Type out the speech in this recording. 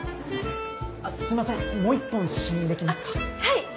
すいませんもう一本試飲できますか？